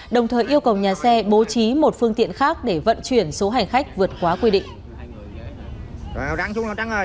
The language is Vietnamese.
đồng thời yêu cầu nhà xe bố trí một phương tiện khác để vận chuyển số hành khách vượt quá quy định